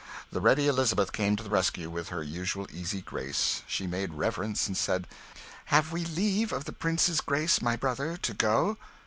The ready Elizabeth came to the rescue with her usual easy grace. She made reverence and said "Have we leave of the prince's grace my brother to go?"